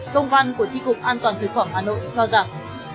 công văn của di cục an toàn tp hà nội cho rằng